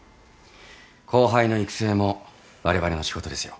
後輩の育成もわれわれの仕事ですよ。